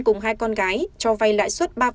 cùng hai con gái cho vay lãi suất